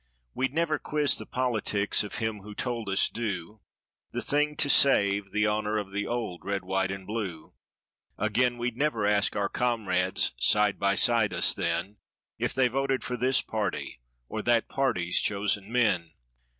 We'd never quiz the politics of him who told us do The thing to save the honor of the old Red, White and Blue. Again, we'd never ask our comrades side by side us then If they voted for this party or that party's chosen men.